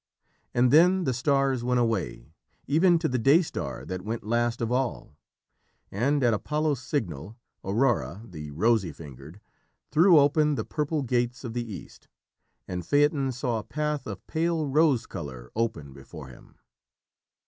And then the stars went away, even to the Daystar that went last of all, and, at Apollo's signal, Aurora, the rosy fingered, threw open the purple gates of the east, and Phaeton saw a path of pale rose colour open before him.